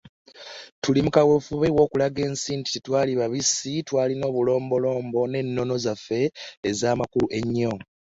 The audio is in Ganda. Tuli mu kaweefube w’okulaga ensi nti tetwali babisi twalina obulombolombo n’ennono zaffe ez’amakulu ennyo.